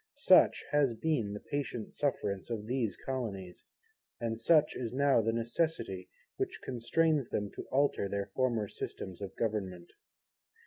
Such has been the patient sufferance of these Colonies; and such is now the necessity which constrains them to alter their former Systems of Government.